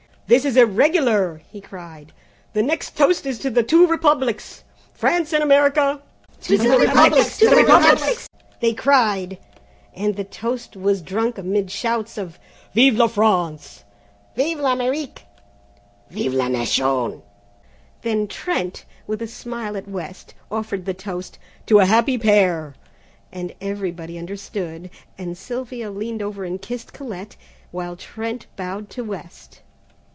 "This is irregular," he cried, "the next toast is to the twin Republics, France and America?" "To the Republics! To the Republics!" they cried, and the toast was drunk amid shouts of "Vive a France! Vive l'Amérique! Vive la Nation!" Then Trent, with a smile at West, offered the toast, "To a Happy Pair!" and everybody understood, and Sylvia leaned over and kissed Colette, while Trent bowed to West.